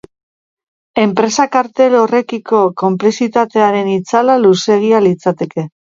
Enpresa kartel horrekiko konplizitatearen itzala luzeegia litzateke.